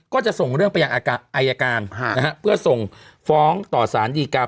ก็จะส่งเรื่องไปยังอายการเพื่อส่งฟ้องต่อสารดีการ